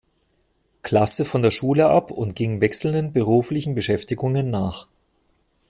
Klasse von der Schule ab und ging wechselnden beruflichen Beschäftigungen nach.